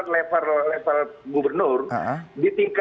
di tingkat pilkart yang kabupaten terlebih dahulu